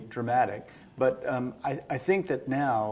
di masa depan